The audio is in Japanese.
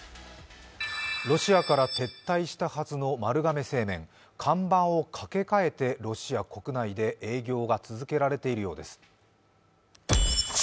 ロシアから撤退したはずの丸亀製麺、看板をかけ替えてロシア国内で営業が続けられているようです。